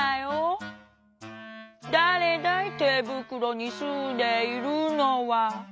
だれだいてぶくろにすんでいるのは？」。